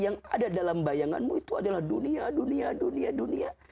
yang ada dalam bayanganmu itu adalah dunia dunia dunia dunia dunia